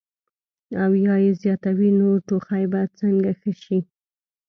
او يا ئې زياتوي نو ټوخی به څنګ ښۀ شي -